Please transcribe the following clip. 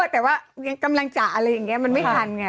แต่ว่ากำลังเจาะอะไรอย่างเงี้ย